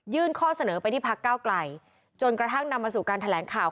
ข้อเสนอไปที่พักเก้าไกลจนกระทั่งนำมาสู่การแถลงข่าว